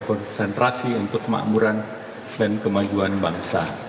konsentrasi untuk kemakmuran dan kemajuan bangsa